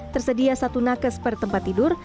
tersedia satu nakes per tempat tidur